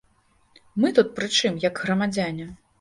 Мы тут прычым, як грамадзяне?